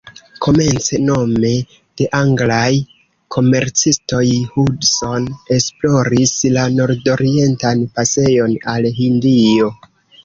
Komence, nome de anglaj komercistoj, Hudson esploris la nordorientan pasejon al Hindio.